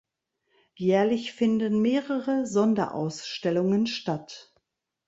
Jährlich finden mehrere Sonderausstellungen statt.